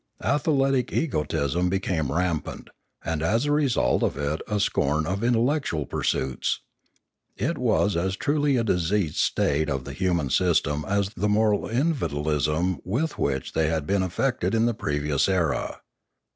Athletic egotism became rampant, and as a result of it a scorn of intellectual pursuits. It was as truly a diseased state of the human system as the moral invalidism with which they had been afflicted in the previous era.